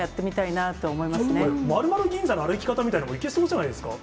ちょっとこれ、○○銀座の歩き方みたいのもいけそうじゃないですか？